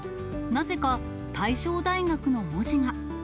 なぜか大正大学の文字が。